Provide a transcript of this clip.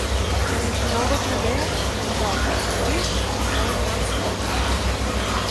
El vint-i-nou de febrer en Roc i en Garbí volen anar al cinema.